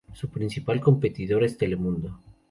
Su principal competidor es Telemundo.